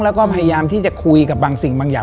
แล้วก็พยายามที่จะคุยกับบางสิ่งบางอย่าง